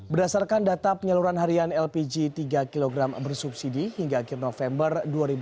berdasarkan data penyaluran harian lpg tiga kg bersubsidi hingga akhir november dua ribu dua puluh